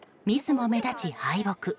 ミスも目立ち敗北。